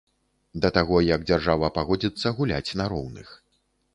Да таго як дзяржава пагодзіцца гуляць на роўных.